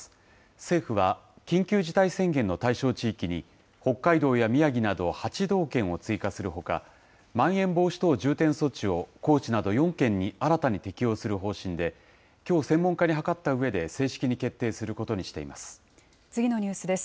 政府は緊急事態宣言の対象地域に、北海道や宮城など、８道県を追加するほか、まん延防止等重点措置を高知など４県に、新たに適用する方針で、きょう、専門家に諮ったうえで正式に決定することにしています。